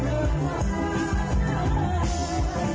เวลามันไฟ